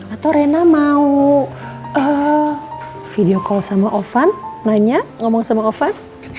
atau rena mau video call sama ovan nanya ngomong sama ovan